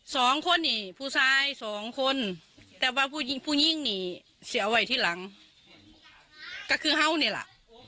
สองคนนี่ผู้ซ้ายสองคนแต่ว่าผู้หญิงนี่เสียเอาไว้ที่หลังก็คือเฮ่านี่ละ